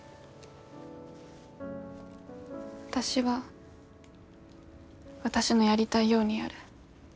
私は私のやりたいようにやる。